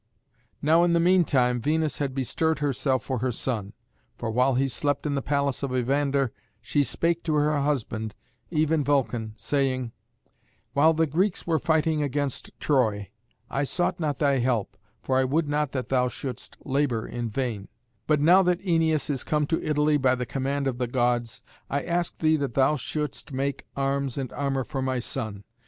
Now in the mean time Venus had bestirred herself for her son, for while he slept in the palace of Evander she spake to her husband, even Vulcan, saying, "While the Greeks were fighting against Troy, I sought not thy help, for I would not that thou shouldst labour in vain; but now that Æneas is come to Italy by the command of the Gods, I ask thee that thou shouldst make arms and armour for my son.